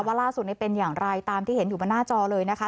ล่าสุดนี้เป็นอย่างไรตามที่เห็นอยู่บนหน้าจอเลยนะคะ